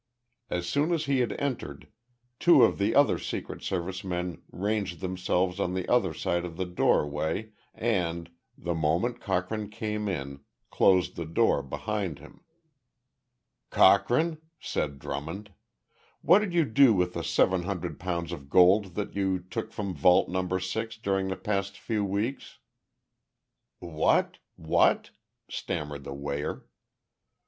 As soon as he had entered, two of the other Secret Service men ranged themselves on the other side of the doorway and, the moment Cochrane came in, closed the door behind him. "Cochrane," said Drummond, "what did you do with the seven hundred pounds of gold that you took from Vault No. Six during the past few weeks?" "What what " stammered the weigher.